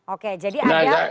oke jadi arya